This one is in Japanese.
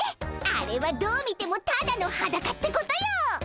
あれはどう見てもただのハダカってことよ！